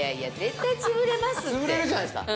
潰れるじゃないですか。